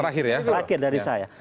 akhir dari saya